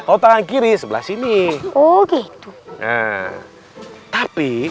otot kiri sebelah sini oh gitu tapi